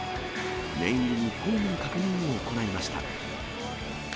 念入りにフォームの確認を行いました。